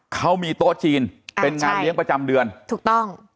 เขามีโต๊ะจีนเป็นงานเลี้ยงประจำเดือนถูกต้อง